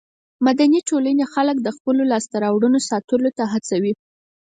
مدني ټولنې خلک د خپلو لاسته راوړنو ساتلو ته هڅوي.